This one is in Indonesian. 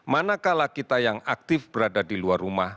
manakala kita yang aktif berada di luar rumah